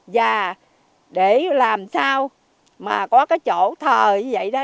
và để làm sao mà có cái chỗ thời như vậy đó